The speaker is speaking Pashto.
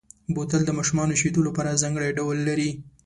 بوتل د ماشومو شیدو لپاره ځانګړی ډول لري.